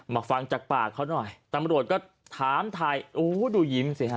ฟังจากปากเขาหน่อยตำรวจก็ถามถ่ายโอ้ดูยิ้มสิฮะ